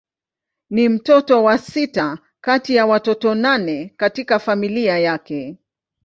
Ni mtoto wa sita kati ya watoto nane katika familia yake.